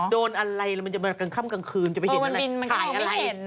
โดรนอะไรมันจะกระจ้างท่ามกลางคืนมันจะไปเห็นอะไรขายอะไร